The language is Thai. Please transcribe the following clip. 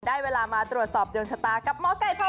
ได้เวลามาตรวจสอบโดยงชะตากับมไก่พาวพาพินีค่ะ